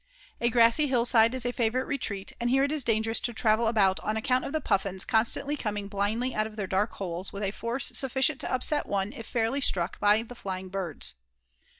A grassy hill side is a favorite retreat and here it is dangerous to travel about on account of the Puffins constantly coming blindly out of their dark holes with a force sufficient to upset one if fairly struck by the flying birds.